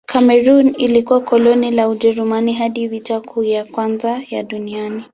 Kamerun ilikuwa koloni la Ujerumani hadi Vita Kuu ya Kwanza ya Dunia.